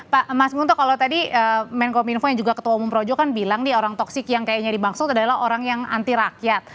pak mas munto kalau tadi menko minfo yang juga ketua umum projo kan bilang nih orang toksik yang kayaknya dimaksud adalah orang yang anti rakyat